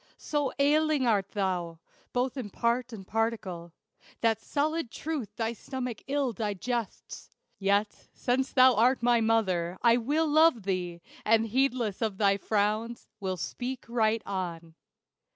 So ailing art thou, both in part and particle, That solid truth thy stomach ill digests. Yet, since thou art my mother, I will love thee, And heedless of thy frowns, "will speak right on."